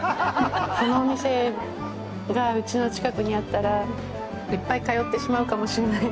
このお店がうちの近くにあったらいっぱい通ってしまうかもしれない。